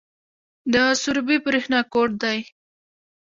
د سروبي بریښنا کوټ دی